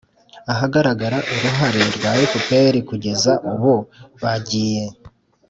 ahagaragara uruhare rwa fpr kugeza ubu bagiye